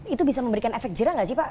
itu bisa memberikan efek jerah nggak sih pak